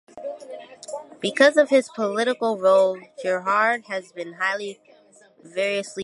Because of his political role Gerhard has been highly variously judged.